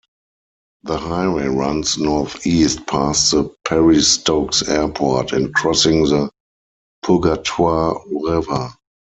The highway runs northeast, past the Perry Stokes Airport and crossing the Purgatoire River.